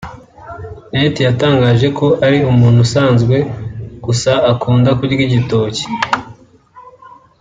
net yatangaje ko ari umuntu usanzwe gusa akunda kurya igitoki